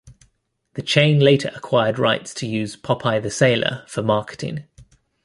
The chain later acquired rights to use "Popeye the Sailor" for marketing.